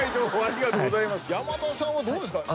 山田さんはどうですか？